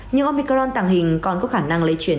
nhưng omicron tàng hình còn có khả năng lây chuyển